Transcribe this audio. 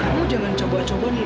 kamu jangan coba coba nih